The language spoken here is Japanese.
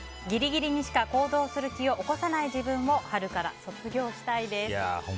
ギリギリにしか行動する気を起こさない自分を春から卒業したいです。